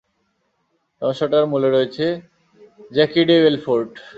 সমস্যাটার মূলে রয়েছে জ্যাকি ডে বেলফোর্ট।